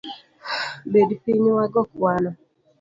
Bed piny wago kwano.